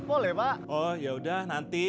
oh yaudah nanti